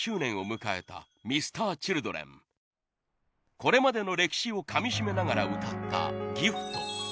これまでの歴史をかみ締めながら歌った『ＧＩＦＴ』。